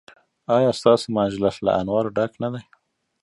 ایا ستاسو مجلس له انوارو ډک نه دی؟